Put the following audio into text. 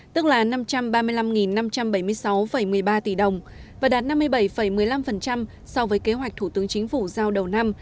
tức là năm trăm ba mươi năm năm trăm bảy mươi sáu một mươi ba tỷ đồng và đạt năm mươi bảy một mươi năm so với kế hoạch thủ tướng chính phủ giao đầu năm